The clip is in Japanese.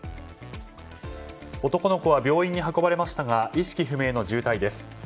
男の子は病院に運ばれましたが意識不明の重体です。